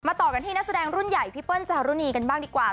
ต่อกันที่นักแสดงรุ่นใหญ่พี่เปิ้ลจารุณีกันบ้างดีกว่า